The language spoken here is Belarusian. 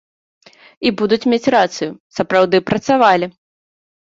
І будуць мець рацыю, сапраўды працавалі.